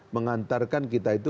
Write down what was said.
mengantarkan kita itu